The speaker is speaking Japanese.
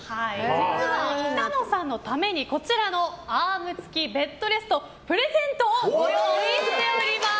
実は北乃さんのためにこちらのアーム付きベッドレストプレゼントをご用意しております。